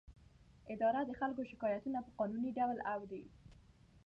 اداره د خلکو شکایتونه په قانوني ډول اوري.